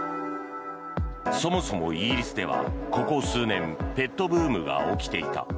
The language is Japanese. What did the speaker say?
そもそも、イギリスではここ数年ペットブームが起きていた。